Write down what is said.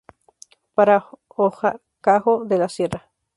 Para Horcajo de la Sierra.